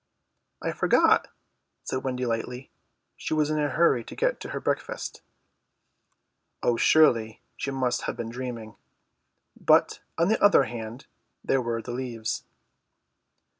"I forgot," said Wendy lightly. She was in a hurry to get her breakfast. Oh, surely she must have been dreaming. But, on the other hand, there were the leaves.